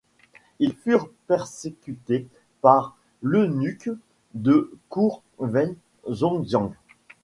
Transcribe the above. Ils furent persécutés par l'eunuque de Cour Wei Zhongxian.